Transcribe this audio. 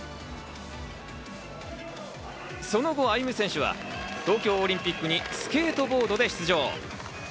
その後、歩夢選手は東京オリンピックにスケートボードで出場。